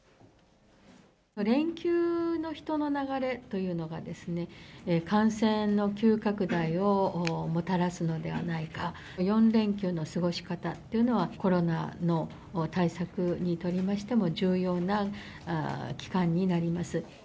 連休の人の流れというのが、感染の急拡大をもたらすのではないか、４連休の過ごし方というのは、コロナの対策にとりましても、重要な期間になります。